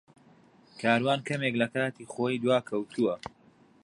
کاروان کەمێک لە کاتی خۆی دواکەوتووە.